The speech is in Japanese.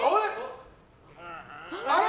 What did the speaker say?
あれ？